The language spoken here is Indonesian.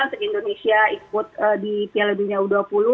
se indonesia ikut di piala dunia u dua puluh